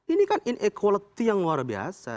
ini kan inequality yang luar biasa